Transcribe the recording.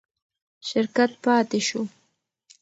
شرکت پاتې شو.